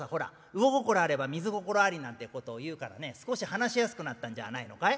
『魚心あれば水心あり』なんてことを言うからね少し話しやすくなったんじゃないのかい？」。